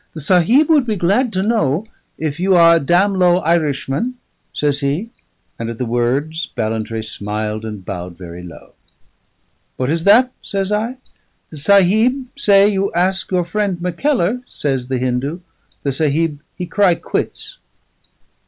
"The Sahib would be glad to know if you are a dam low Irishman," says he; and at the words Ballantrae smiled and bowed very low. "What is that?" says I. "The Sahib say you ask your friend Mackellar," says the Hindu. "The Sahib he cry quits."